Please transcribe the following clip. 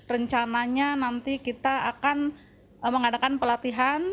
rencananya nanti kita akan mengadakan pelatihan